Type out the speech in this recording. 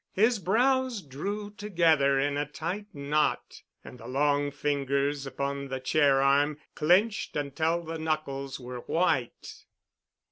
His brows drew together in a tight knot and the long fingers upon the chair arm clenched until the knuckles were white.